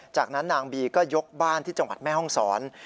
จากนั้นนางบีก็ยกบ้านที่จังหวัดแม่ห้องศร